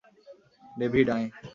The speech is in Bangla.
ডেভিড, আয়।